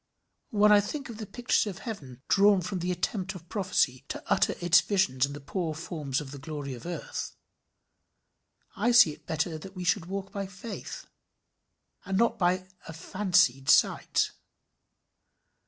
When I think of the pictures of heaven drawn from the attempt of prophecy to utter its visions in the poor forms of the glory of earth, I see it better that we should walk by faith, and not by a fancied sight.